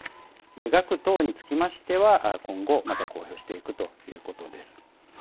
額等につきましては、今後、また公表していくということです。